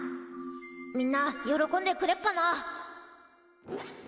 みんな喜んでくれっかな。